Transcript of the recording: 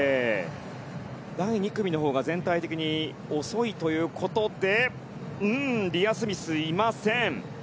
第２組のほうが全体的に遅いということでリア・スミス、いません。